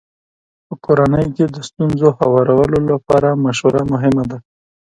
په کورنۍ کې د ستونزو هوارولو لپاره مشوره ګټوره ده.